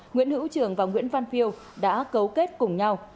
nguyễn hữu trường và nguyễn văn phiêu đã cấu kết cùng nhau